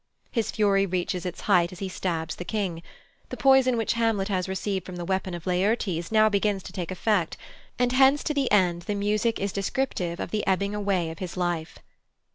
His fury reaches its height as he stabs the King. The poison which Hamlet has received from the weapon of Laertes now begins to take effect, and hence to the end the music is descriptive of the ebbing away of his life."